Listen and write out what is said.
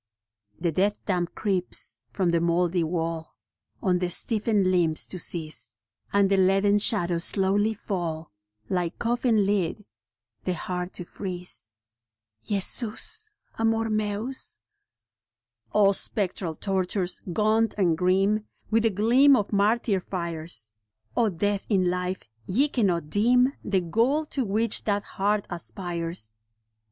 The death damp creeps from the mouldy wall On the stiffened limbs to seize, And the leaden shadows slowly fall, Like coffin lid, the heart to freeze. Jesus Amor Mens. O spectral tortures, gaunt and grim With the gleam of martyr fires — O death in life, ye cannot dim The goal to which that heart aspires.